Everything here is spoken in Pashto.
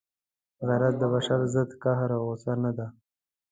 غیرت د بشر ضد قهر او غصه نه ده.